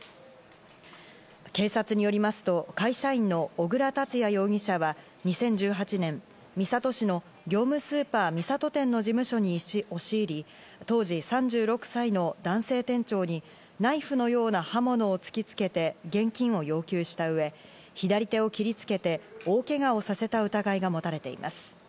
警察によりますと、会社員の小椋達也容疑者は、２０１８年、三郷市の業務スーパー三郷店の事務所に押し入り、当時３６歳の男性店長にナイフのような刃物を突きつけて現金を要求した上、左手を切りつけて大けがをさせた疑いが持たれています。